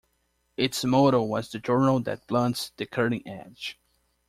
Its motto was the journal that blunts the cutting edge.